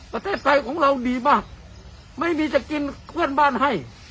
ประเทศไทยของเราดีมากไม่มีจะกินเพื่อนบ้านให้